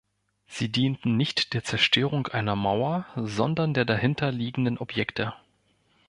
Sie dienten nicht der Zerstörung einer Mauer, sondern der dahinter liegenden Objekte.